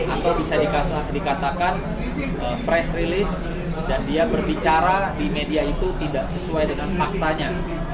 atau bisa dikatakan press release dan dia berbicara di media itu tidak sesuai dengan faktanya